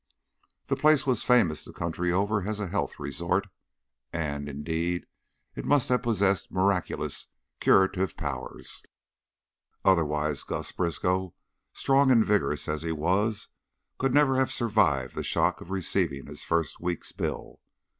The place was famous the country over as a health resort, and, indeed, it must have possessed miraculous curative properties, otherwise Gus Briskow, strong and vigorous as he was, could never have survived the shock of receiving his first week's bill.